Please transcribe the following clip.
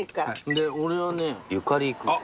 で俺はねゆかりいく。